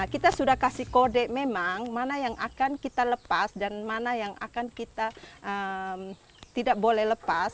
kita sudah kasih kode memang mana yang akan kita lepas dan mana yang akan kita tidak boleh lepas